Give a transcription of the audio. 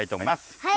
はい！